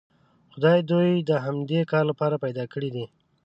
خدای دوی د همدې کار لپاره پیدا کړي دي.